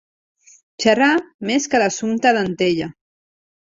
Xerrar més que l'Assumpta d'Antella.